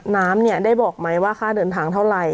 น้ำเนี่ยได้บอกไหมว่าค่าเดินทางเท่าไหร่